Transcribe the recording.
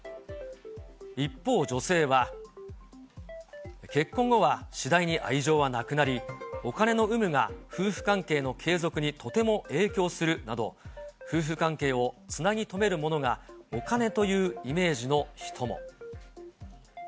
一方女性は、結婚後は次第に愛情はなくなり、お金の有無が夫婦関係の継続にとても影響するなど、夫婦関係をつなぎとめるものがお金というイメージの人も。